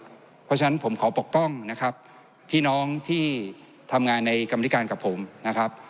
เพราะฉะนั้นผมขอปกป้องนะครับพี่น้องที่ทำงานในกรรมธิการกับผมนะครับ